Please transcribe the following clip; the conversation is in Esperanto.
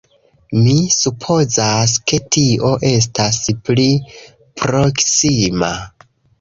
Mi supozas ke tio estas pli proksima.